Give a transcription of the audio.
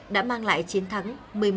đã mang lại chiến thắng một mươi một tám